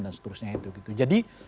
dan seterusnya gitu jadi